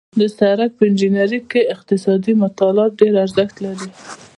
د سړک په انجنیري کې اقتصادي مطالعات ډېر ارزښت لري